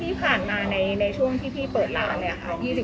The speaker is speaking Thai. พี่ผ่านมาในช่วงที่พี่เปิดแล้วนี่อย่างไรค่ะ